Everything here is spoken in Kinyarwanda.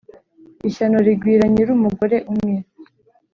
Ishyano rigwira nyirumugore umwe.